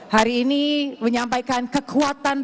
hari ini menyampaikan kekuatan